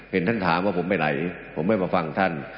เห็นท่านถามว่าผมไปไหนผมไม่มาฟังท่าน